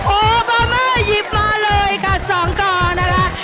โอบามาหยิบมาเลยค่ะ๒กองนะคะ